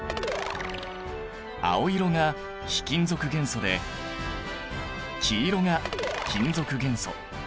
青色が非金属元素で黄色が金属元素。